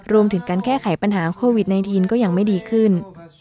รวมถึงการแก้ไขปัญหาโควิด๑๙ก็ยังไม่ดีขึ้น